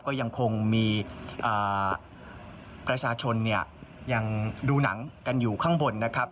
ก็ยังคงมีประชาชนเนี่ยยังดูหนังกันอยู่ข้างบนนะครับ